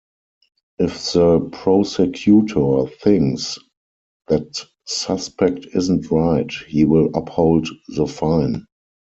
If the prosecutor thinks that suspect isn't right, he will uphold the fine.